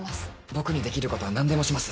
僕にできることは何でもします。